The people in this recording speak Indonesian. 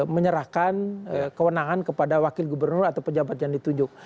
menyerahkan kewenangan kepada wakil gubernur atau pejabat yang ditunjuk